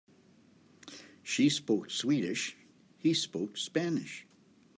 She spoke Swedish, he spoke Spanish.